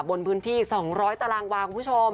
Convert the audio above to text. บนพื้นที่๒๐๐ตารางวาคุณผู้ชม